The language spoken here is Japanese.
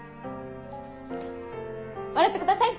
笑ってください！